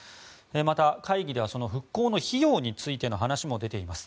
また、会議ではその復興の費用についての話も出ています。